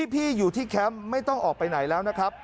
พี่อยู่ที่แคมป์ไม่ต้องออกไปไหนแล้วนะครับ